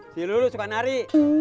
si lu suka nari